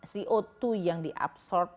co dua yang diabsorb